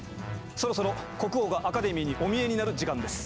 そろそろ国王がアカデミーにお見えになる時間です。